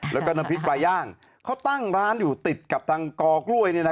แล้วก็น้ำพริกปลาย่างเขาตั้งร้านอยู่ติดกับทางกอกล้วย